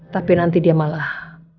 tapi nanti dia malah